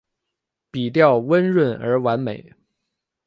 笔调温润而完美